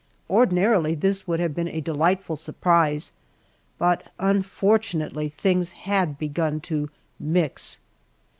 Ordinarily this would have been a delightful surprise, but, unfortunately, things had begun to "mix!"